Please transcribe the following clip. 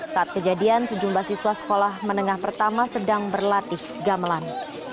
saat kejadian sejumlah siswa sekolah menengah pertama sedang berlatih gamelan